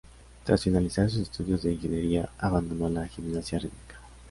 Tras finalizar sus estudios de Ingeniería, abandonó la gimnasia rítmica.